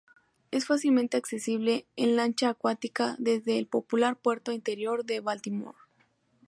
Es fácilmente accesible en lancha acuática desde el popular puerto interior de Baltimore.